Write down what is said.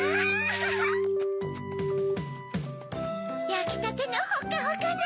やきたてのホッカホカね。